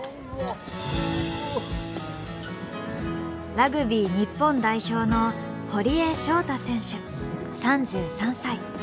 ラグビー日本代表の堀江翔太選手３３歳。